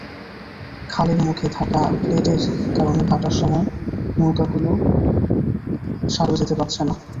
খালের মুখে থাকা প্লেটের কারণে ভাটার সময় নৌকাগুলো সাগরে যেতে পারছে না।